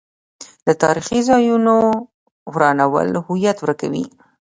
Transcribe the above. د تاریخي ځایونو ورانول هویت ورکوي.